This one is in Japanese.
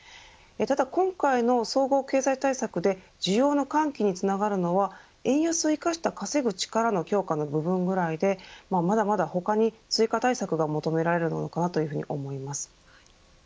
ただ今回の総合経済対策で需要の喚起につながるのは円安を生かした稼ぐ力の強化の部分くらいでまだまだ他に追加対策が求められるのかなと思います。